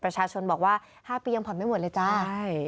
ประชาชนบอกว่า๕ปียังผ่อนไม่หมดเลยจ้าใช่